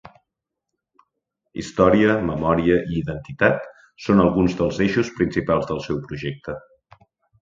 Història, memòria i identitat són alguns dels eixos principals del seu projecte.